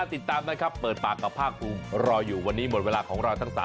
สิบีเรียนนะ